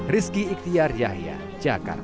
rizki iktiar yahya jakarta